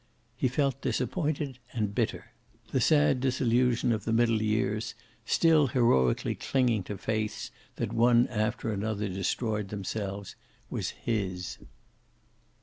He felt disappointed and bitter. The sad disillusion of the middle years, still heroically clinging to faiths that one after another destroyed themselves, was his.